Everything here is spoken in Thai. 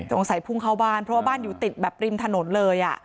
สงสัยพุ่งเข้าบ้านเพราะว่าบ้านอยู่ติดแบบริมถนนเลย